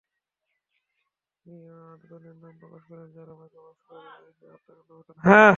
তিনিও আটজনের নাম প্রকাশ করেন, যাঁরা মাইক্রোবাসে করে এসে হত্যাকাণ্ড ঘটান।